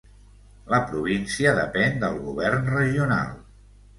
La província depèn del govern regional.